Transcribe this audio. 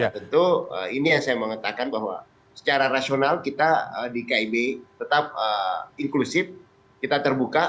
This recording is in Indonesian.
tentu ini yang saya mengatakan bahwa secara rasional kita di kib tetap inklusif kita terbuka